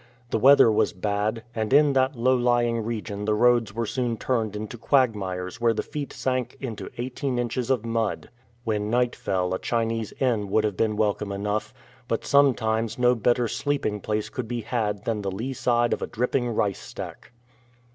The weather was bad, and in that low lying region the roads were soon turned into quagmires where the feet sank into eighteen inches of mud. When night fell a Chinese inn would have been welcome enough ; but sometimes no better sleeping place could be had than the lee side of a dripping rice stack.